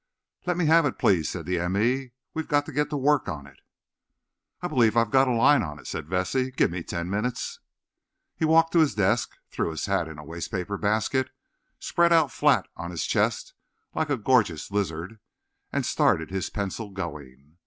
"Let's have it, please," said the m. e. "We've got to get to work on it." "I believe I've got a line on it," said Vesey. "Give me ten minutes." He walked to his desk, threw his hat into a waste basket, spread out flat on his chest like a gorgeous lizard, and started his pencil going.